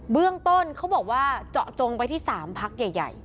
เรื่องต้นเขาบอกว่าเจาะจงไปที่๓พักใหญ่